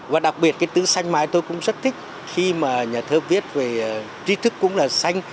và đặc biệt cái tứ xanh mãi tôi cũng rất thích khi mà nhà thơ viết về tri thức cũng là xanh